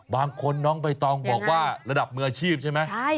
บางคนน้องใบตองบอกว่าระดับมืออาชีพใช่ไหม